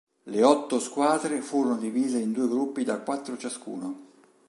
Le otto squadre furono divise in due gruppi da quattro ciascuno.